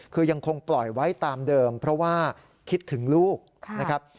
คือยังคงปล่อยไว้ตามเดิมเพราะว่าคิดถึงลูกนะครับ